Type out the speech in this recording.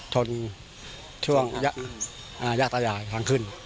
ชนช่วงยากแปกขึ้น